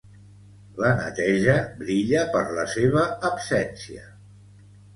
La neteja brilla per la seva absència